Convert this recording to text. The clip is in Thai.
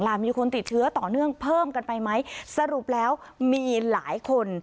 มีคนติดเชื้อต่อเนื่องเพิ่มกันไปไหมสรุปแล้วมีหลายคน